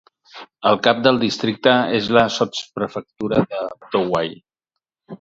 El cap del districte és la sotsprefectura de Douai.